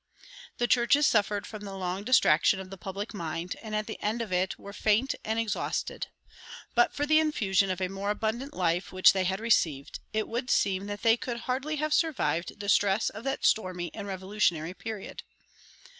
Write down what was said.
The churches suffered from the long distraction of the public mind, and at the end of it were faint and exhausted. But for the infusion of a "more abundant life" which they had received, it would seem that they could hardly have survived the stress of that stormy and revolutionary period.